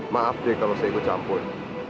maaf deh kalau saya ikut campur